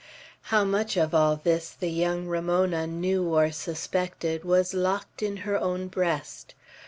How much of all this the young Ramona knew or suspected, was locked in her own breast.